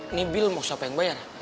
ini bill mau siapa yang bayar